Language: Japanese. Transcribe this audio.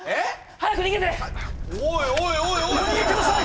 早く逃げてお逃げください！